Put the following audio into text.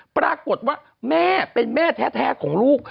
ปรากฏว่าแม่เป็นแม่แท้ของลูก